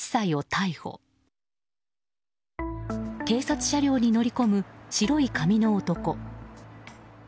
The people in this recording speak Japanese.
警察車両に乗り込む白い髪の男。